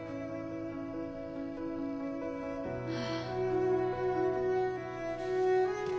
はあ。